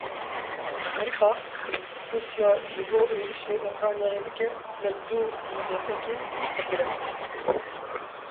Amerîka, Rûsya ji bo êrişî Ukraynayê bike li dû hincetekê digere.